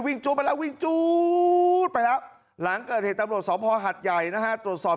วิ่งจู๊บไปแล้ววิ่งจู๊บไปแล้วหลังกระเทศตำรวจสอบพอหัดใหญ่นะฮะตรวจสอบ